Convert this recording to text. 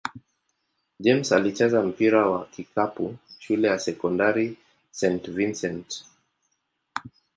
James alicheza mpira wa kikapu shule ya sekondari St. Vincent-St.